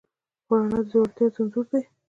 خو رڼا د زړورتیا انځور دی.